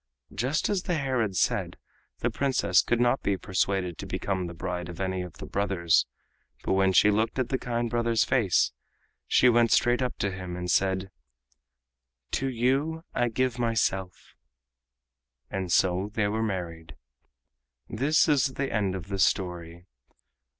Just as the hare had said, the Princess could not be persuaded to become the bride of any of the brothers, but when she looked at the kind brother's face she went straight up to him and said: "To you I give myself," and so they were married. This is the end of the story.